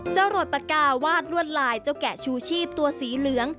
โหลดปากกาวาดรวดลายเจ้าแกะชูชีพตัวสีเหลือง